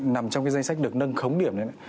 nằm trong cái danh sách được nâng khống điểm đấy